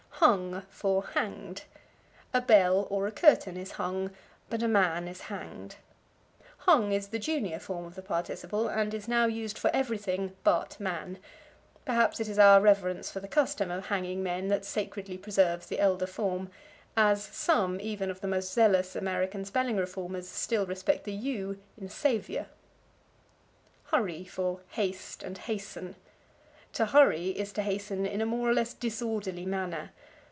Hung for Hanged. A bell, or a curtain, is hung, but a man is hanged. Hung is the junior form of the participle, and is now used for everything but man. Perhaps it is our reverence for the custom of hanging men that sacredly preserves the elder form as some, even, of the most zealous American spelling reformers still respect the u in Saviour. Hurry for Haste and Hasten. To hurry is to hasten in a more or less disorderly manner.